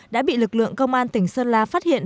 đã bị lực lượng công an tỉnh sơn la phát hiện